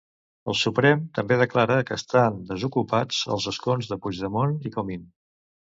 El Suprem també declara que estan desocupats els escons de Puigdemont i Comín.